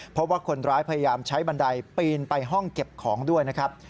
เพราะว่าคนร้ายพยายามใช้บันไดปีนไปห้องเก็บของด้วยนะครับ